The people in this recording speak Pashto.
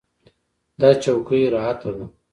دا چوکۍ راحته ده.